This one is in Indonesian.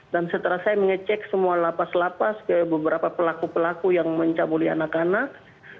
setelah saya mengecek semua lapas lapas ke beberapa pelaku pelaku yang mencabuli anak anak